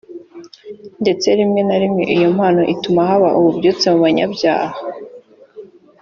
ndetse rimwe na rimwe iyo mpano ituma haba ububyutse mu banyabyaha